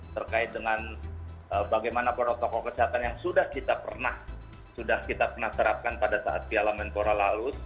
terkait dengan bagaimana protokol kesehatan yang sudah kita pernah terapkan pada saat piala menpora lalu